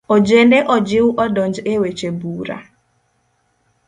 Ojende ojiw odonj e weche bura.